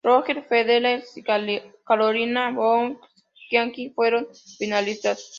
Roger Federer y Caroline Wozniacki fueron finalistas.